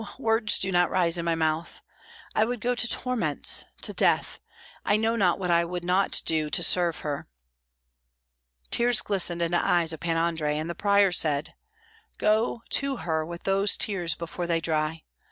words do not rise in my mouth I would go to torments, to death. I know not what I would not do to serve Her." Tears glistened in the eyes of Pan Andrei, and the prior said, "Go to Her with those tears before they dry.